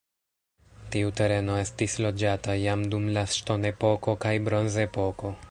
Tiu tereno estis loĝata jam dum la ŝtonepoko kaj bronzepoko.